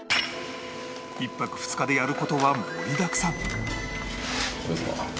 １泊２日でやる事は盛りだくさん